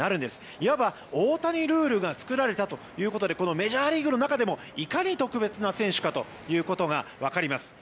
いわば大谷ルールが作られたということでメジャーリーグの中でもいかに特別な選手かということが分かります。